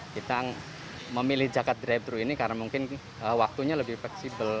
kita memilih jaket drive thru ini karena mungkin waktunya lebih fleksibel